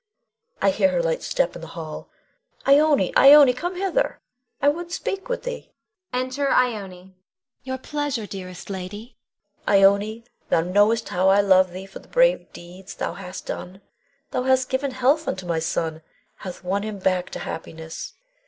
I hear her light step in the hall. Ione, Ione, come hither! I would speak with thee. [Enter Ione. Ione. Your pleasure, dearest lady. Queen. Ione, thou knowest how I love thee for the brave deeds thou hast done. Thou hast given health unto my son, hath won him back to happiness.